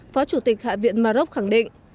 phó chủ tịch hạ viện maroc khẳng định